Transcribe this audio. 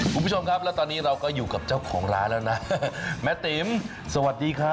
คุณผู้ชมครับแล้วตอนนี้เราก็อยู่กับเจ้าของร้านแล้วนะแม่ติ๋มสวัสดีครับ